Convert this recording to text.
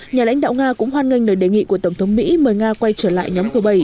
nhà lãnh đạo nga cũng hoan nghênh lời đề nghị của tổng thống mỹ mời nga quay trở lại nhóm g bảy